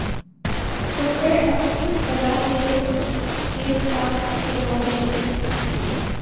تو پھر اپنی بلا سے کہ باد صبا چلے۔